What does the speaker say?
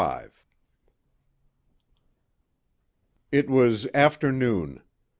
5 It was afternoon. Mrs.